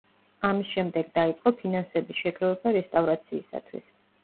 ამის შემდეგ დაიწყო ფინანსების შეგროვება რესტავრაციისათვის.